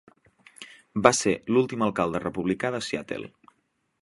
Va ser l'últim alcalde republicà de Seattle.